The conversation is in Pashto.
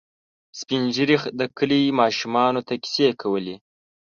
سپين ږیري د کلي ماشومانو ته کیسې کولې.